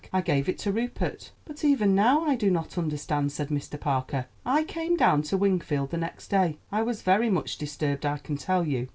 I gave it to Rupert." "But even now I do not understand," said Mr. Parker. "I came down to Wingfield the next day. I was very much disturbed, I can tell you.